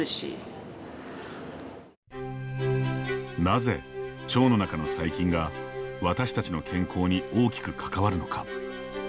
なぜ、腸の中の細菌が私たちの健康に大きく関わるのか。